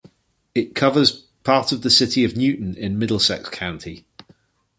It covers part of the city of Newton in Middlesex County.